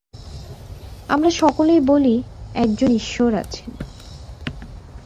আমরা সকলেই বলি, একজন ঈশ্বর আছেন।